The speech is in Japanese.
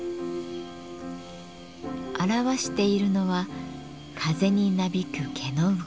表しているのは風になびく毛の動き。